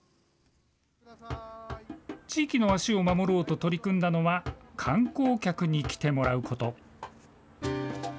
地域の足を守ろうと取り組んだのは観光客に来てもらうこと。